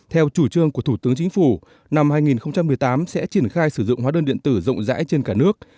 theo chủ trương của thủ tướng chính phủ năm hai nghìn một mươi tám sẽ triển khai sử dụng hóa đơn điện tử rộng rãi trên cả nước